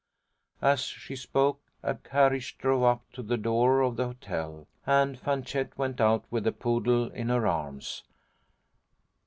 As she spoke, a carriage drove up to the door of the hotel, and Fanchette went out with the poodle in her arms.